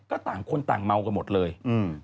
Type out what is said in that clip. ก็ต่างคนต่างเมากันหมดเลยอืม